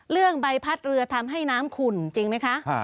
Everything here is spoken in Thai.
ใบพัดเรือทำให้น้ำขุ่นจริงไหมคะ